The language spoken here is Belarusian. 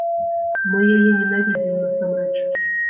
Мы яе ненавідзім насамрэч.